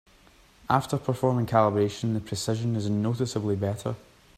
After performing calibration, the precision is noticeably better.